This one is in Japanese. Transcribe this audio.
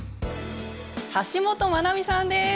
橋本マナミさんです。